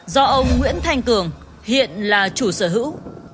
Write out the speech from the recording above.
do ông nguyễn thanh cường hiện là chủ sở hữu